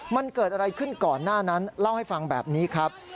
มันเกิดอะไรขึ้นก่อนหน้านั้นเล่าให้ฟังแบบนี้ครับ